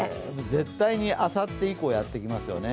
絶対にあさって以降、やってきますね。